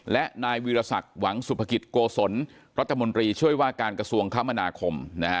และนายวีรศักดิ์หวังสุภกิจโกศลรัฐมนตรีช่วยว่าการกระทรวงคมนาคม